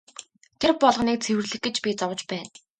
Тэр болгоныг цэвэрлэх гэж би зовж байна.